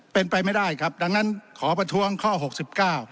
เป็นไปไม่ได้ครับดังนั้นขอประท้วงข้อหกสิบเก้า